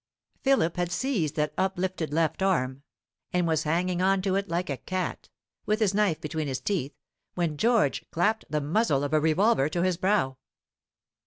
Philip had seized that uplifted left arm, and was hanging on to it like a cat, with his knife between his teeth, when George clapped the muzzle of a revolver to his brow.